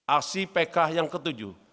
aksi pk yang ketujuh